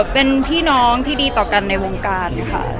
เป็นพี่น้องที่ดีต่อกันในวงการค่ะ